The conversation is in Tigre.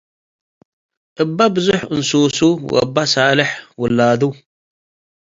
እበ በዝሕ እንሱሱ - ወእበ ሰልሕ ወላዱ